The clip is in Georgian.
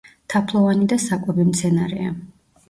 თაფლოვანი და საკვები მცენარეა.